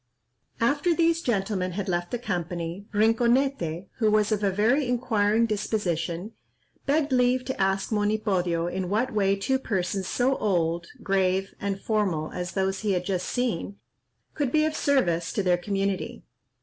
After these gentlemen had left the company, Rinconete, who was of a very inquiring disposition, begged leave to ask Monipodio in what way two persons so old, grave, and formal as those he had just seen, could be of service to their community.